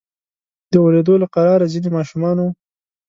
د اوریدو له قراره ځینې ماشومانو.